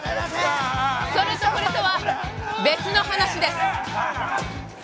それとこれとは別の話です。